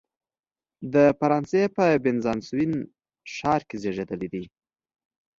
د فرانسې په بیزانسوون ښار کې زیږېدلی دی.